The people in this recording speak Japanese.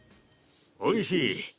おいしい！